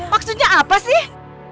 maksudnya apa sih